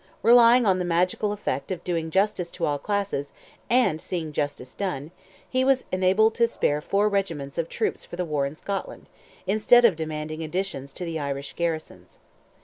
Relying on the magical effect of doing justice to all classes, and seeing justice done, he was enabled to spare four regiments of troops for the war in Scotland, instead of demanding additions to the Irish garrisons.